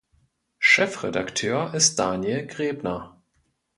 Chefredakteur ist Daniel Gräbner.